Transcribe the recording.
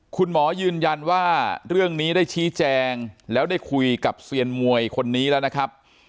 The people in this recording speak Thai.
คุณหมอยืนยันว่าเรื่องนี้ได้ชี้แจงแล้วได้คุยกับเซียนมวยคนนี้แล้วนะครับ